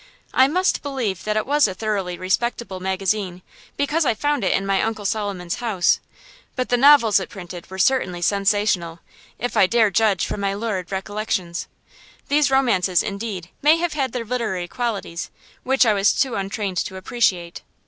I must believe that it was a thoroughly respectable magazine, because I found it in my Uncle Solomon's house; but the novels it printed were certainly sensational, if I dare judge from my lurid recollections. These romances, indeed, may have had their literary qualities, which I was too untrained to appreciate.